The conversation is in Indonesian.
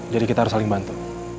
jadi kita harus saling bantu